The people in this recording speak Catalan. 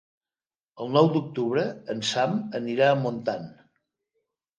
El nou d'octubre en Sam anirà a Montant.